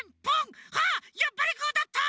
あやっぱりグーだった！